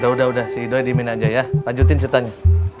udah udah si ido diimin aja ya lanjutin ceritanya